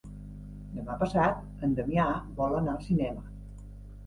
Demà passat en Damià vol anar al cinema.